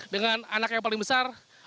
dengan anak yang paling besar